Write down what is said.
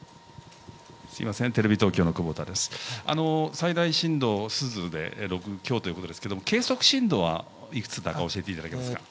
最大震度、珠洲で６強ということですけれども、計測震度はいくつだか教えていただけますか？